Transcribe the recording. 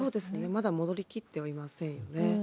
まだ戻りきってはいませんよね。